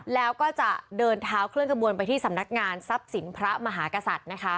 แล้วก็จะเดินเท้าเคลื่อนกระบวนไปที่สำนักงานทรัพย์สินพระมหากษัตริย์นะคะ